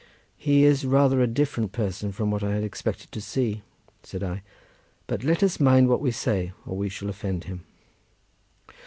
"He is rather a different person from what I had expected to see," said I; "but let us mind what we say, or we shall offend him."